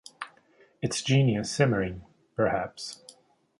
It's genius simmering, perhaps.